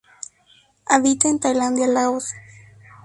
Habita en Tailandia Laos.